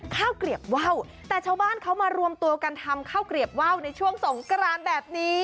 เกลียบว่าวแต่ชาวบ้านเขามารวมตัวกันทำข้าวเกลียบว่าวในช่วงสงกรานแบบนี้